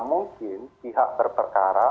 mungkin pihak berperkara